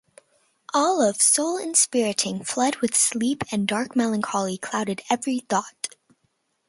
All of soul-inspiriting fled with sleep, and dark melancholy clouded every thought.